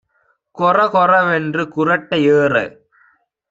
கொரகொர வென்று குறட்டை ஏற